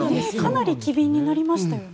かなり機敏になりましたよね。